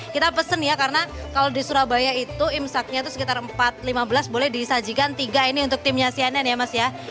kita pesen ya karena kalau di surabaya itu imsaknya itu sekitar empat lima belas boleh disajikan tiga ini untuk timnya cnn ya mas ya